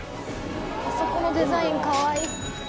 あそこのデザインかわいい。